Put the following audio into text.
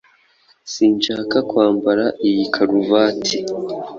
Sinshaka kwambara iyi karuvati.